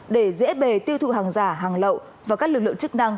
để dễ bề tiêu thụ hàng giả hàng lậu và các lực lượng chức năng